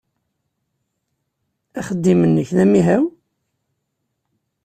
Axeddim-nnek d amihaw?